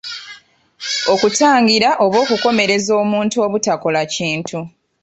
Okutangira oba okukomereza omuntu obutakola kintu.